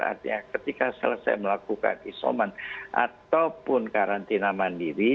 artinya ketika selesai melakukan isoman ataupun karantina mandiri